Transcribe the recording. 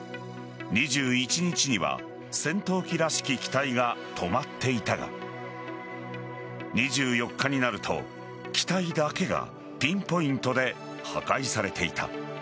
２１日には戦闘機らしき機体が止まっていたが２４日になると機体だけがピンポイントで破壊されていた。